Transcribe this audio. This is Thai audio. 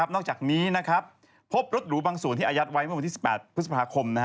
นอกจากนี้พบรถหรูบางส่วนที่อายัดไว้เมื่อวันที่๑๘พฤษภาคม